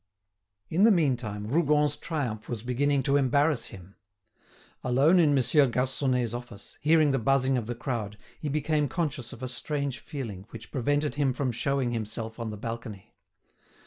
In the meantime, Rougon's triumph was beginning to embarrass him. Alone in Monsieur Garconnet's office, hearing the buzzing of the crowd, he became conscious of a strange feeling, which prevented him from showing himself on the balcony.